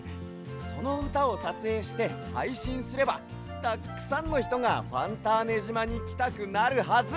そのうたをさつえいしてはいしんすればたっくさんのひとがファンターネじまにきたくなるはず！